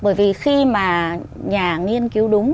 bởi vì khi mà nhà nghiên cứu đúng